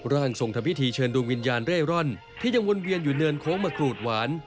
ร่างทรงทำพิธีเชิญดวงวิญญาณเร่ร่อนที่ยังวนเวียนอยู่เนินโค้งมะกรูดหวาน